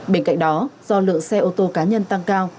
bên cạnh đó do lượng xe ô tô cá nhân tăng cao